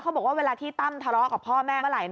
เขาบอกว่าเวลาที่ตั้มทะเลาะกับพ่อแม่เมื่อไร